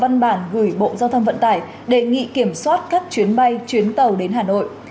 văn bản gửi bộ giao thông vận tải đề nghị kiểm soát các chuyến bay chuyến tàu đến hà nội